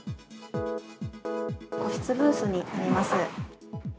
個室ブースになります。